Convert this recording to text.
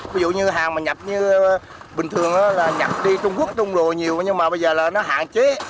ví dụ như hàng mà nhập như bình thường là nhập đi trung quốc trung đồ nhiều nhưng mà bây giờ là nó hạn chế